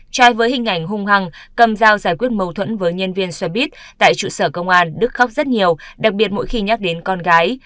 trai với hình ảnh hung hằng cầm dao giải quyết mâu thuẫn với nhân viên xe buýt tại trụ sở công an đức khóc rất nhiều đặc biệt mỗi khi nhắc đến con gái